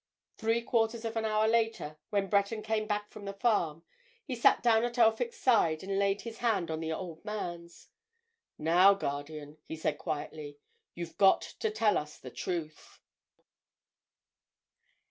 Three quarters of an hour later, when Breton came back from the farm, he sat down at Elphick's side and laid his hand on the old man's. "Now, guardian," he said, quietly, "you've got to tell us the truth."